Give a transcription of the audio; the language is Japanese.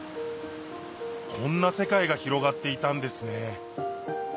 こんな世界が広がっていたんですね